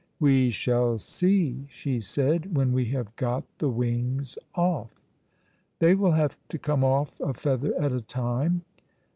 "We shall see," she said, "when we have got the wings off." "They will have to come off a feather at a time."